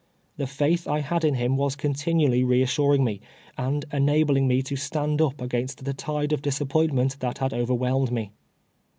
The laith I had in him was continually re assuring me, and enabled me to stand u[> against the tide of disappointment that had oyerwhehned me.